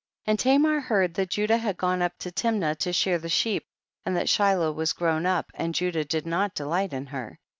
30. And Tamar heard that Judah had gone up to Timnah to shear the sheep, and that Shiloh was grown up^ and Judah did not delight in her.